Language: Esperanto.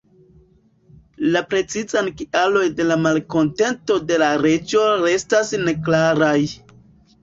La precizaj kialoj de la malkontento de la reĝo restas neklaraj.